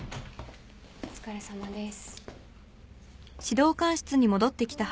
お疲れさまです。